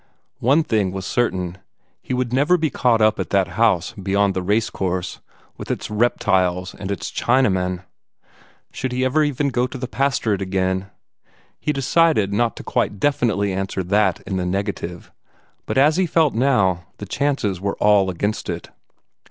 One thing was certain he would never be caught up at that house beyond the race course, with its reptiles and its Chinaman. Should he ever even go to the pastorate again? He decided not to quite definitely answer THAT in the negative, but as he felt now, the chances were all against it.